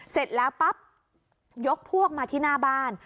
เสร็จแล้วปั๊บยกพวกมาที่หน้าบ้าน